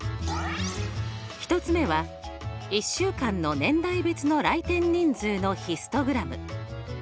１つ目は１週間の年代別の来店人数のヒストグラム。